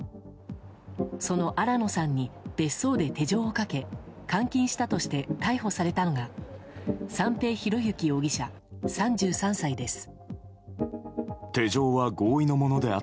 その新野さんに別荘で手錠をかけ監禁したとして逮捕されたのが三瓶博幸容疑者、３３歳です。